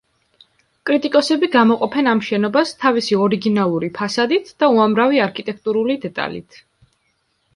კრიტიკოსები გამოყოფენ ამ შენობას თავისი ორიგინალური ფასადით და უამრავი არქიტექტურული დეტალით.